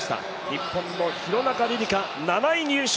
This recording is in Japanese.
日本の廣中璃梨佳、７位入賞。